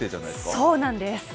そうなんです。